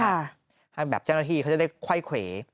ถ้าเป็นแบบเจ้าหน้าที่เขาจะได้คว่ายเขว